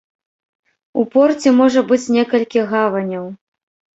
У порце можа быць некалькі гаваняў.